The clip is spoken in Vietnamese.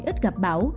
ít gặp bão